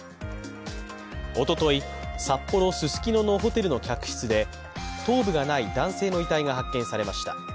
おととい、札幌・ススキノのホテルの客室で頭部がない男性の遺体が発見されました。